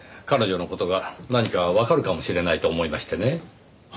彼女の事が何かわかるかもしれないと思いましてね。